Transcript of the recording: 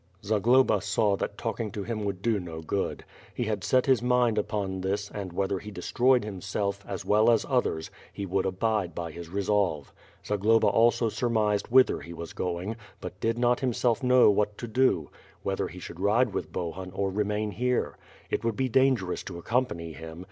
Zagloba saw that talking to him would do no good. He had set his mind upon this and whether he destroyed himself, as well as others, he would abide by his resolve. Zagloba also surmised whither he was going, but did not himself know what to do; whether he should ride with Bohun or remain here. It would be dangerous to accompany him.